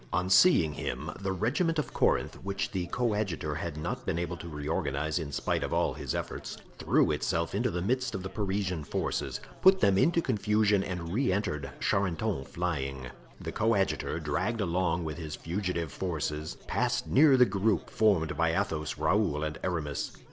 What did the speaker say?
On seeing him, the regiment of Corinth, which the coadjutor had not been able to reorganize in spite of all his efforts, threw itself into the midst of the Parisian forces, put them into confusion and re entered Charenton flying. The coadjutor, dragged along with his fugitive forces, passed near the group formed by Athos, Raoul and Aramis.